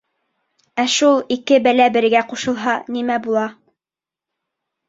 Ә шул ике бәлә бергә ҡушылһа, нимә була?